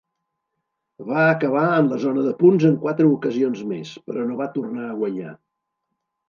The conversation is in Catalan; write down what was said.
Va acabar en la zona de punts en quatre ocasions més, però no va tornar a guanyar.